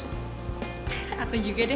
aku juga deh